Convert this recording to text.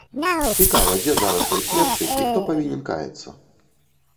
Цікава, дзе зараз той следчы, і хто павінен каяцца?